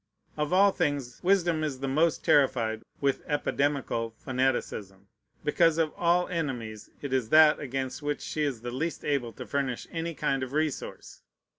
Of all things, wisdom is the most terrified with epidemical fanaticism, because of all enemies it is that against which she is the least able to furnish any kind of resource.